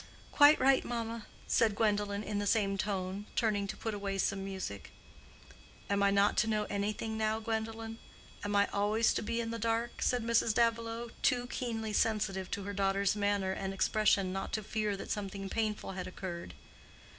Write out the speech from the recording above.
"Quite right, mamma," said Gwendolen, in the same tone, turning to put away some music. "Am I not to know anything now, Gwendolen? Am I always to be in the dark?" said Mrs. Davilow, too keenly sensitive to her daughter's manner and expression not to fear that something painful had occurred.